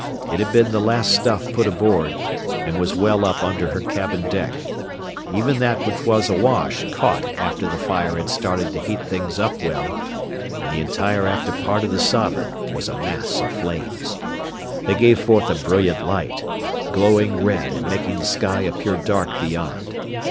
It had been the last stuff put aboard and was well up under her cabin deck. Even that which was awash caught after the fire had started to heat things up well, and the entire after part of the Sovereign was a mass of flames. They gave forth a brilliant light, glowing red and making the sky appear dark beyond.